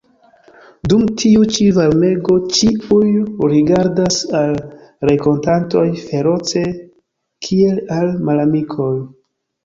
Dum tiu ĉi varmego ĉiuj rigardas al renkontatoj feroce, kiel al malamikoj.